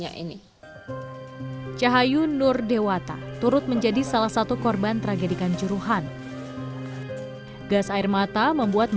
mereka bow harden dengan ulang downturnya jatuh seperti